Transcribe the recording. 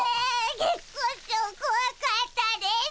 月光町こわかったです。